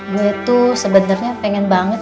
gue tuh sebenernya pengen banget